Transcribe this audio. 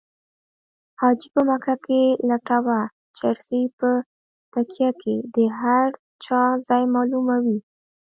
حاجي په مکه کې لټوه چرسي په تکیه کې د هر چا ځای معلوموي